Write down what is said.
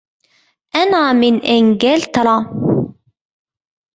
أنا من إنجلترا.